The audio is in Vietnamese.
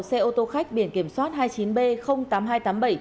xe ô tô khách biển kiểm soát hai mươi chín b tám nghìn hai trăm tám mươi bảy